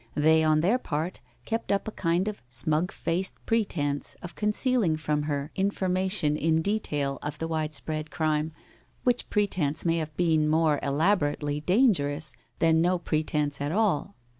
They on their part kept up a kind of a smug faced pretence of concealing from her information in detail of the widespread crime, which pretence may have been more elaborately dangerous than no pretence at all.